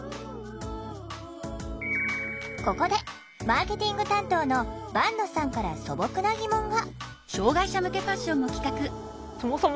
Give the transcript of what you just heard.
ここでマーケティング担当の坂野さんから素朴な疑問が。